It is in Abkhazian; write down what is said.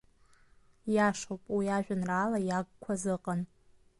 Иашоуп, уи ажәеинраала иагқәаз ыҟан.